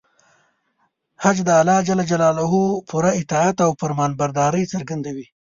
حج د الله د امر پوره اطاعت او فرمانبرداري څرګندوي.